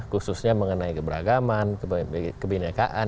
khususnya mengenai keberagaman kebenekaan